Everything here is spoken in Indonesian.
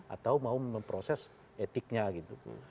atau mau memproses etiknya gitu